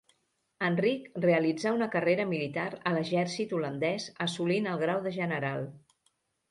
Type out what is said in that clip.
Enric realitzà una carrera militar a l'exèrcit holandès assolint el grau de general.